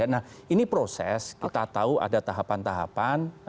nah ini proses kita tahu ada tahapan tahapan